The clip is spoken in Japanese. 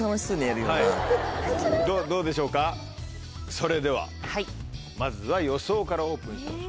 それではまずは予想からオープンしましょうか。